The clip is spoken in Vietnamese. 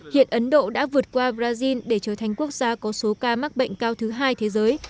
hiện ấn độ đã vượt qua brazil để trở thành quốc gia có số ca mắc bệnh cao thứ hai thế giới